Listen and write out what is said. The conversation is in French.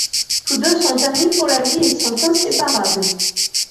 Tous deux sont amis pour la vie et sont inséparables.